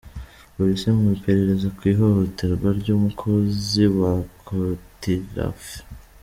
Polisi mu iperereza ku ihohoterwa ry’umukozi wa kotirafe